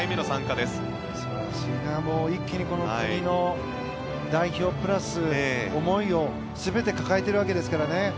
素晴らしいな一気に国の代表、プラス思いを全て抱えているわけですからね。